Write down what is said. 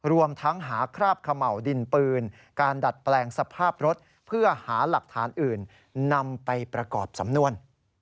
รวมทั้งหาคราบเขม่าวดินปืนการดัดแปลงสภาพรถเพื่อหาหลักฐานอื่นนำไปประกอบสำนวน